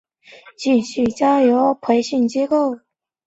想要成为魔法少女的女孩们会进入国家设立的培训机构学习。